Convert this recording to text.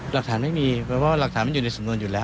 หลักฐานไม่มีเพราะว่าหลักฐานมันอยู่ในสำนวนอยู่แล้ว